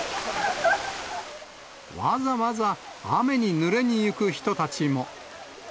わざわざ雨にぬれに行く人たちも。